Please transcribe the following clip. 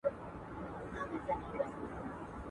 هغه په دقت سره ولولئ.